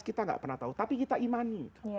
kita nggak pernah tahu tapi kita imani